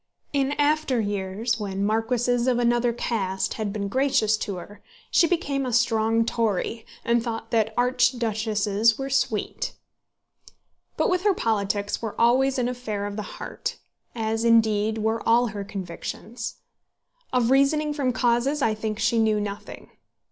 In after years, when marquises of another caste had been gracious to her, she became a strong Tory, and thought that archduchesses were sweet. But with her politics were always an affair of the heart, as, indeed, were all her convictions. Of reasoning from causes, I think that she knew nothing.